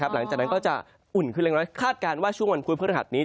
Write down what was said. หลังจากนั้นก็จะอุ่นขึ้นเล็กน้อยคาดการณ์ว่าช่วงวันพุธพฤหัสนี้